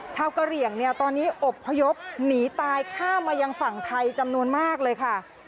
กะเหลี่ยงเนี่ยตอนนี้อบพยพหนีตายข้ามมายังฝั่งไทยจำนวนมากเลยค่ะ